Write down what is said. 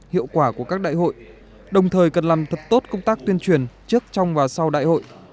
hiệu quả của các đại hội đồng thời cần làm thật tốt công tác tuyên truyền trước trong và sau đại hội